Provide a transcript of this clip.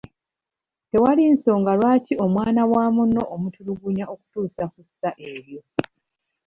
Tewali nsonga lwaki omwana wa munno omutulugunya okutuuka ku ssa eryo.